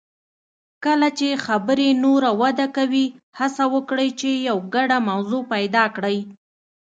کله چې خبرې نوره وده کوي، هڅه وکړئ چې یو ګډه موضوع پیدا کړئ.